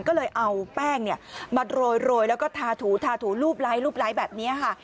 ก็เลยเอาแป้งเนี่ยมาโรยแล้วก็ทาถูรูปไล้แบบนี้ค่ะ